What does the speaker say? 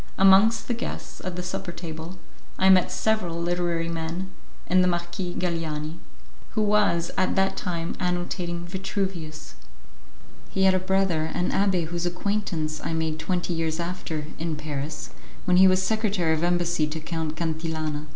Amongst the guests at the supper table I met several literary men, and the Marquis Galiani, who was at that time annotating Vitruvius. He had a brother, an abbé whose acquaintance I made twenty years after, in Paris, when he was secretary of embassy to Count Cantillana.